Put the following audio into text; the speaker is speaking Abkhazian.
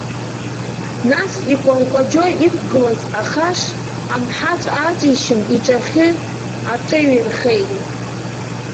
Нас, икәалкәаџьо иқәгылаз ахаш амҳаҵә ааҵишьын иҿахьы аҿыҩеирхеит.